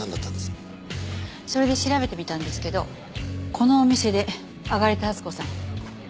それで調べてみたんですけどこのお店で揚田温子さん